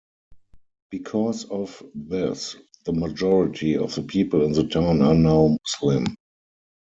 Because of this, the majority of the people in the town are now Muslim.